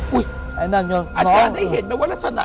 อาจารย์ได้เห็นไหมว่ารักษณะ